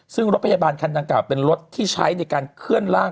ซึ่งรถพยาบาลคันดังกล่าเป็นรถที่ใช้ในการเคลื่อนร่าง